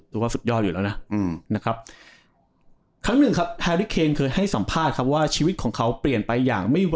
ว่าสุดยอดอยู่แล้วนะนะครับครั้งหนึ่งครับแฮริเคนเคยให้สัมภาษณ์ครับว่าชีวิตของเขาเปลี่ยนไปอย่างไม่รู้